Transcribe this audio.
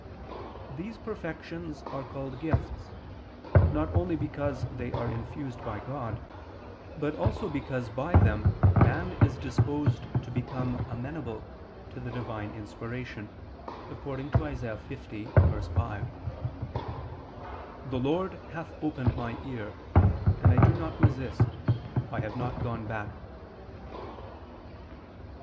These perfections are called gifts, not only because they are infused by God, but also because by them man is disposed to become amenable to the Divine inspiration, according to Isa. 50:5: "The Lord ... hath opened my ear, and I do not resist; I have not gone back."